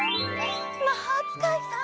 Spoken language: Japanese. まほうつかいさん。